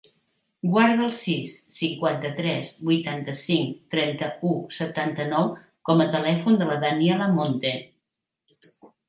Guarda el sis, cinquanta-tres, vuitanta-cinc, trenta-u, setanta-nou com a telèfon de la Daniela Monte.